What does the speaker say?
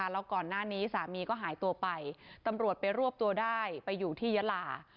แล้วก่อนหน้านี้สามีก็หายตัวไปตำรวจไปรวบตัวได้ไปอยู่ที่ยาลา